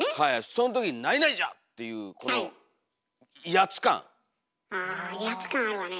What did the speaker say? そのときに「じゃ！」っていうこのあ威圧感あるわね